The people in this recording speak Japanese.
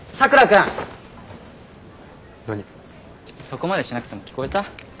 そこまでしなくても聞こえた？